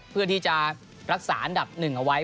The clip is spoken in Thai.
เพื่อที่จะรักษาอันดับ๑เอาไว้